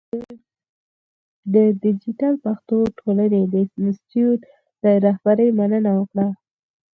د دیجیټل پښتو ټولنې د انسټیټوت له رهبرۍ مننه وکړه.